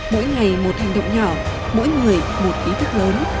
mỗi ngày một hành động nhỏ mỗi người một ý thức lớn